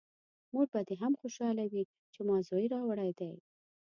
مور به دې هم خوشحاله وي چې ما زوی راوړی دی!